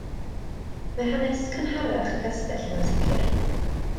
Mae hanes cynharach y castell yn ansicr.